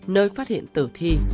nơi phát hiện tử thi